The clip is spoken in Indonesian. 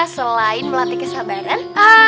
selain melatih kesabaran